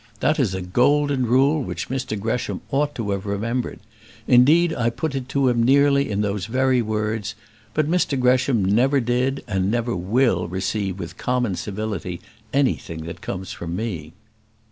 That is a golden rule which Mr Gresham ought to have remembered. Indeed, I put it to him nearly in those very words; but Mr Gresham never did, and never will receive with common civility anything that comes from me."